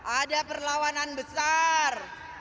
ada perlawanan besar